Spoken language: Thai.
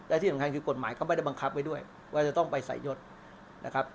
และที่สำคัญคือกฎหมายก็ไม่ได้บังคับไว้ด้วยว่าจะต้องไปใส่ยศนะครับ